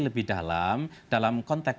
lebih dalam dalam konteks